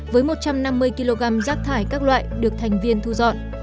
với một trăm năm mươi kg rác thải các loại được thành viên thu dọn